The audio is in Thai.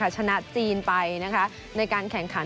ชนะจีนไปในการแข่งขัน